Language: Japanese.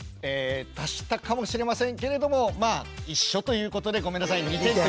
足したかもしれませんけれどもまあ一緒ということでごめんなさい２点。